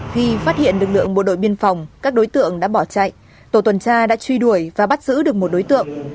khi phát hiện lực lượng bộ đội biên phòng các đối tượng đã bỏ chạy tổ tuần tra đã truy đuổi và bắt giữ được một đối tượng